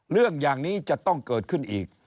เรื่องอย่างนี้จะต้องเกิดขึ้นอีก